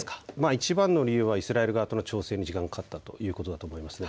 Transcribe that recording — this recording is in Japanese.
いちばんの理由はイスラエル側との調整に時間がかかったということだと思います。